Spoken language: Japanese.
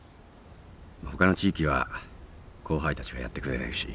他の地域は後輩たちがやってくれてるし。